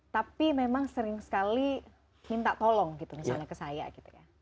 tapi memang sering sekali minta tolong gitu misalnya ke saya gitu ya